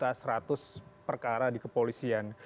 ada seratus perkara di kepolisian